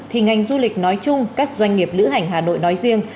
thì ngành du lịch nói chung các doanh nghiệp lữ hành hà nội nói riêng